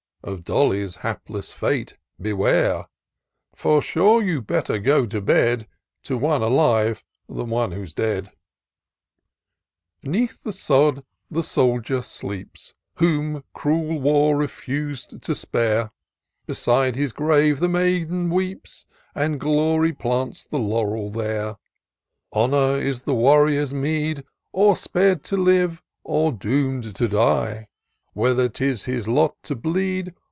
Of Dolly's hapless fate beware ! For sure, you'd better go to bed To one alive than one who's dead." i 78 TOUR OF DOCTOR SYNTAX " Beneath the sod the soldier sleeps, Whom cruel Wax refiis'd to spare : Beside his grave the maiden weeps, And Glory plants the laurel there. Honour is the warrior's meed, Or spar'd to live, or doom'd to die ; Whether it is his lot to bleed.